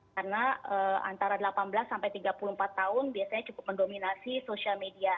karena antara delapan belas sampai tiga puluh empat tahun biasanya cukup mendominasi social media